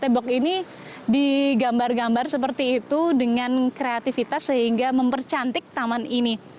tembok ini digambar gambar seperti itu dengan kreativitas sehingga mempercantik taman ini